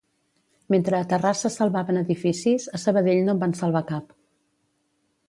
Mentre a Terrassa salvaven edificis, a Sabadell no en van salvar cap.